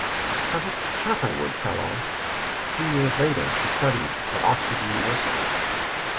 As a Catherwood Fellow three years later, she studied at Oxford University.